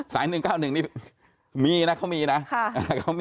สาย๑๙๑มีนะเขามีนะ